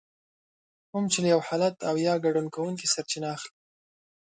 کوم چې له يو حالت او يا ګډون کوونکي سرچينه اخلي.